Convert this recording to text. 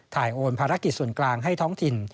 โอนภารกิจส่วนกลางให้ท้องถิ่น